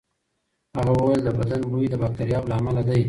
هغه وویل د بدن بوی د باکتریاوو له امله دی.